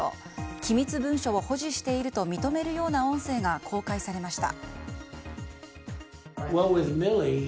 機密文書を保持していると認めるような音声が公開されました。